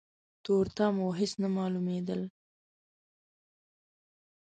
تورتم و هيڅ نه مالومېدل.